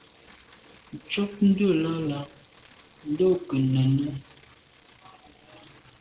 Ntshob ndùlàlà ndo nke nène.